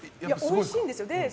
おいしいんですよ。